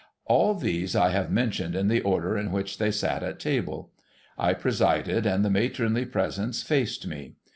All these I have mentioned in the order in which they sat at table. I presided, and the matronly presence faced me.